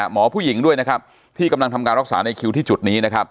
หมอผู้หญิงด้วยที่กำลังทำการรักษาในคิวที่จุดนี้